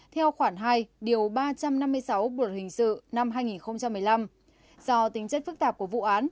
theo khoản hai điều ba trăm năm mươi sáu bộ luật hình sự năm hai nghìn một mươi năm do tính chất phức tạp của vụ án